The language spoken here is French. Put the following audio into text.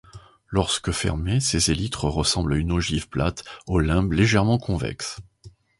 Lorsque fermés, ses élytres ressemblent à une ogive plate, au limbe légèrement convexe.